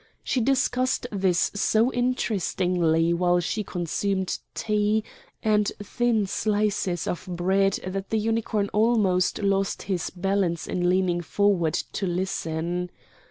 She discussed this so interestingly while she consumed tea and thin slices of bread that the Unicorn almost lost his balance in leaning forward to listen.